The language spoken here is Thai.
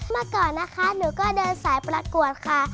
เมื่อก่อนนะคะหนูก็เดินสายประกวดค่ะ